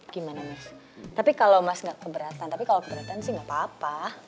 gimana mas tapi kalau mas nggak keberatan tapi kalau keberatan sih nggak apa apa